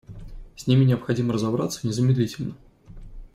С ними необходимо разобраться незамедлительно.